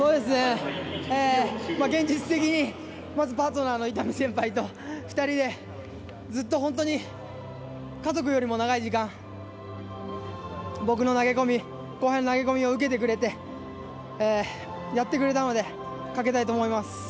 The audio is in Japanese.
現実的に、パートナーの伊丹先輩と２人で、ずっと本当に家族よりも長い時間僕の投げ込みを受けてくれてやってくれたのでかけたいと思います。